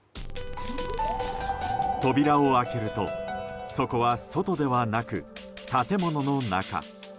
扉を開けるとそこは外ではなく建物の中。